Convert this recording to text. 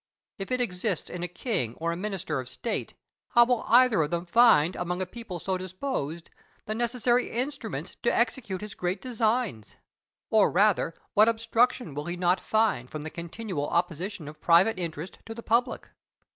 If it exists in a king or a minister of state, how will either of them find among a people so disposed the necessary instruments to execute his great designs; or, rather, what obstruction will he not find from the continual opposition of private interest to public?